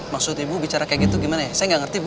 maksud ibu bicara kayak gitu gimana ya saya nggak ngerti ibu